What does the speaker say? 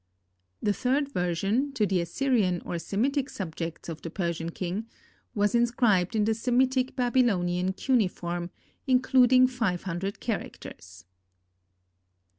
The third version, to the Assyrian or Semitic subjects of the Persian king, was inscribed in the Semitic Babylonian cuneiform, including five hundred characters.